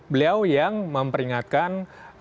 beliau yang memperingatkan